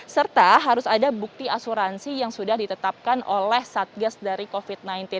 serta harus ada bukti asuransi yang sudah ditetapkan oleh satgas dari covid sembilan belas